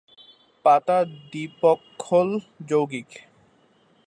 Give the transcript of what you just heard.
পাতা-দ্বিপক্ষল যৌগিক।